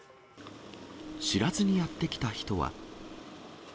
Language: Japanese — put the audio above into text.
知らずにやって来た人は。